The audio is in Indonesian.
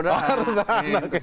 harus tahan oke